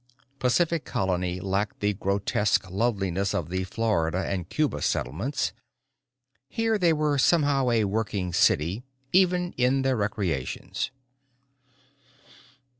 Pacific Colony lacked the grotesque loveliness of the Florida and Cuba settlements. Here they were somehow a working city, even in their recreations.